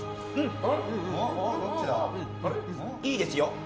いいですよ。